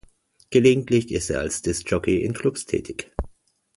Gelegentlich ist er als Disc Jockey in Clubs tätig.